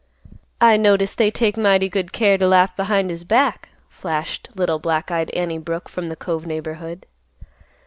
"I notice they take mighty good care t' laugh behind his back," flashed little black eyed Annie Brooke from the Cove neighborhood.